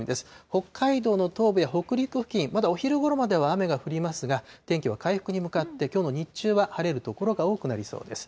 北海道の東部や北陸付近、まだお昼ごろまでは雨が降りますが、天気は回復に向かって、きょうの日中は晴れる所が多くなりそうです。